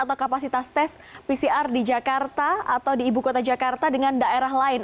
atau kapasitas tes pcr di jakarta atau di ibu kota jakarta dengan daerah lain